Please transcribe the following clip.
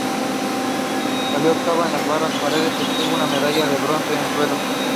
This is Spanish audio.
Salió octava en las barras paralelas, y obtuvo una medalla de bronce en suelo.